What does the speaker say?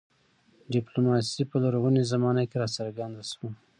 ډیپلوماسي په لرغونې زمانه کې راڅرګنده شوه